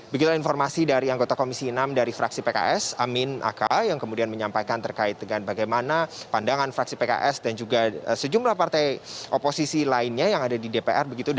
begitulah informasi dari anggota komisi enam dari fraksi pks amin aka yang kemudian menyampaikan terkait dengan bagaimana pandangan fraksi pks dan juga sejumlah partai oposisi lainnya yang ada di dpr begitu